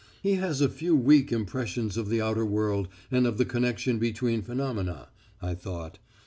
'He has a few weak impressions of the outer world and of the connection between phenomena,' I thought.